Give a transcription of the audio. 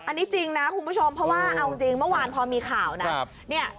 อันนี้จริงนะคุณผู้ชมเพราะว่าเอาจริงเมื่อวานพอมีข่าวนะ